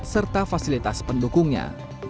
serta fasilitas pendukungnya